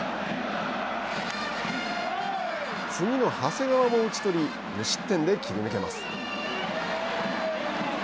次の長谷川も打ち取り無失点で切り抜けます。